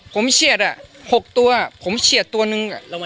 ผมเฉียด๖ตัวผมเฉียดตัวนึง